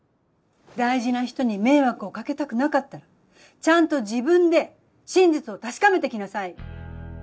大事な人に迷惑をかけたくなかったらちゃんと自分で真実を確かめてきなさい。